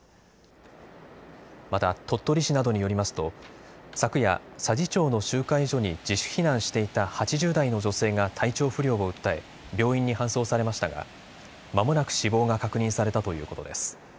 また鳥取市などによりますと昨夜、佐治町の集会所に自主避難していた８０代の女性が体調不良を訴え病院に搬送されましたがまもなく死亡が確認されたということです。